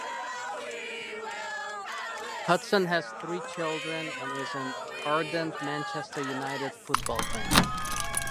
Hudson has three children and is an "ardent Manchester United football fan".